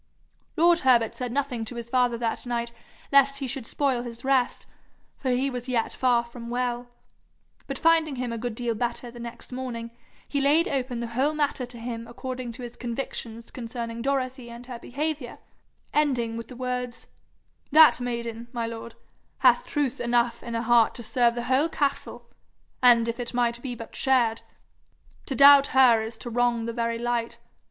Lord Herbert said nothing to his father that night lest he should spoil his rest, for he was yet far from well, but finding him a good deal better the next morning, he laid open the whole matter to him according to his convictions concerning Dorothy and her behaviour, ending with the words: 'That maiden, my lord, hath truth enough in her heart to serve the whole castle, an' if it might be but shared. To doubt her is to wrong the very light.